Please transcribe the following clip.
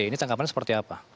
ini tanggapan seperti apa